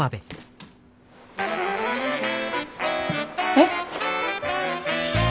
えっ。